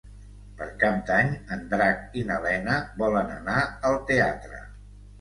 Per Cap d'Any en Drac i na Lena volen anar al teatre.